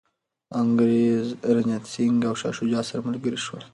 انګریز، رنجیت سنګ او شاه شجاع سره ملګري شول.